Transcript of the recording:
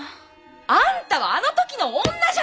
あんたはあの時の女じゃないの！